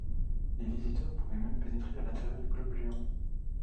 Les visiteurs pouvaient même pénétrer à l'intérieur du globe géant.